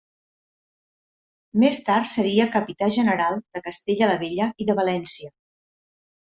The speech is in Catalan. Més tard seria Capità General de Castella la Vella i de València.